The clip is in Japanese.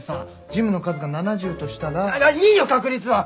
ジムの数が７０としたら。いいよ確率は。